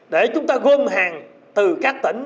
để chúng ta gom hàng từ các tỉnh